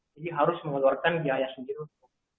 jadi harus mengeluarkan biaya sendiri untuk